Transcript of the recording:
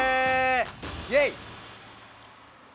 イエイ。